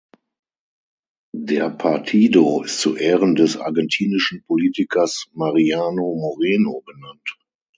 Der Partido ist zu Ehren des argentinischen Politikers Mariano Moreno benannt.